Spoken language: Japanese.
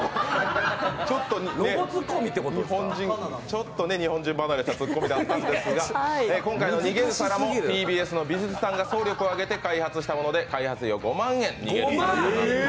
ちょっと日本人離れしたツッコミだったんですが、今回の逃げる皿もＴＢＳの美術さんが総力を上げて開発したもので開発料５万円です。